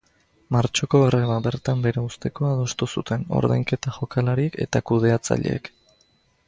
Martxoko greba bertan behera uzteko adostu zuten ordainketa jokalariek eta kudeatzaileek.